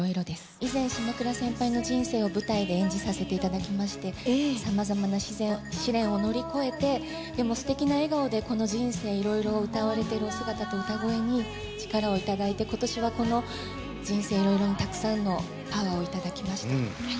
以前島倉先輩の人生を舞台で演じさせていただきましてさまざまな試練を乗り越えてでもすてきな笑顔でこの『人生いろいろ』を歌われてるお姿と歌声に力をいただいて今年はこの『人生いろいろ』にたくさんのパワーをいただきました。